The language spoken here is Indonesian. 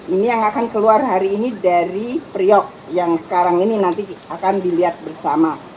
ini yang akan keluar hari ini dari priok yang sekarang ini nanti akan dilihat bersama